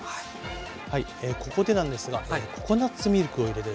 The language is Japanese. はいここでなんですがココナツミルクを入れてですね